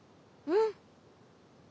うん。